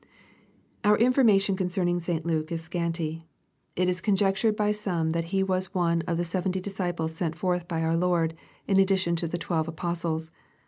] Our information concerning St Luke is scanty. It is conjectured by some that he was one of the seventy disciples sent forth by our Lord, in addition to the twelve apostles.